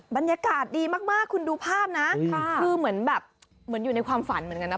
บรรยากาศดีมากคุณดูภาพนะคือเหมือนแบบเหมือนอยู่ในความฝันเหมือนกันนะ